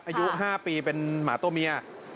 อายุ๕ปีเป็นหมาตัวเมีย